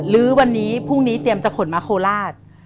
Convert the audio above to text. ลื้อวันนี้พรุ่งนี้เตรียมจะขนมาโคราช